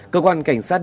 cơ quan cảnh sát điều tra